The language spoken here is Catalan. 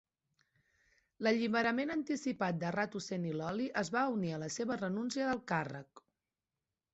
L'alliberament anticipat de Ratu Seniloli es va unir a la seva renúncia del càrrec.